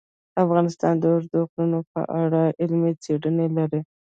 افغانستان د اوږده غرونه په اړه علمي څېړنې لري.